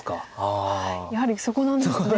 やはりそこなんですね。